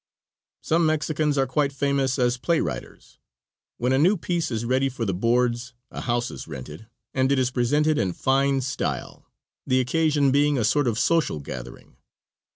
Some Mexicans are quite famous as play writers. When a new piece is ready for the boards a house is rented, and it is presented in fine style, the occasion being a sort of social gathering.